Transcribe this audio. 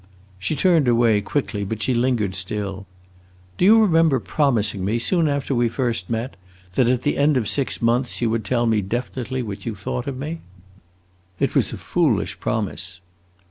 She turned away quickly, but she lingered still. "Do you remember promising me, soon after we first met, that at the end of six months you would tell me definitely what you thought of me?" "It was a foolish promise."